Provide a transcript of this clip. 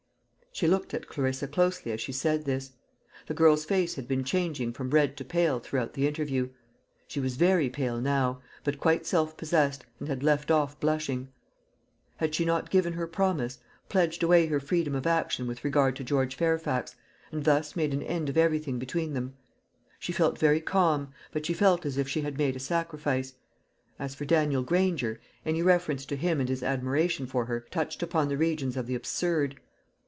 She looked at Clarissa closely as she said this. The girl's face had been changing from red to pale throughout the interview. She was very pale now, but quite self possessed, and had left off blushing. Had she not given her promise pledged away her freedom of action with regard to George Fairfax and thus made an end of everything between them? She felt very calm, but she felt as if she had made a sacrifice. As for Daniel Granger, any reference to him and his admiration for her touched upon the regions of the absurd.